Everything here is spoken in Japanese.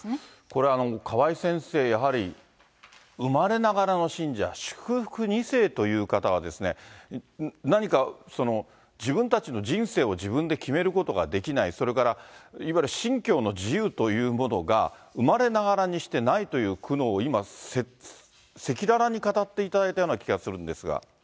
これ、川井先生、やはり生まれながらの信者、祝福２世という方は、何かその自分たちの人生を自分で決めることができない、それからいわゆる信教の自由というものが、生まれながらにしてないという苦悩を今、赤裸々に語っていただいたような気がするんですが。